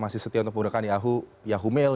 masih setia untuk menggunakan yahoo yahoo mail